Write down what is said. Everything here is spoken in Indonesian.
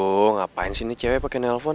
aduh ngapain sih ini cewe pake nelpon